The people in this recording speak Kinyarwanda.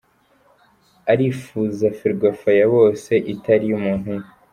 Arifuza Ferwafa ya bose, itari iy’umuntu umwe.